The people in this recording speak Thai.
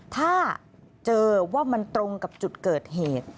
ถ้าเจอว่ามันตรงกับจุดเกิดเหตุ